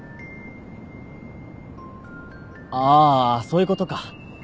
あそういうことか。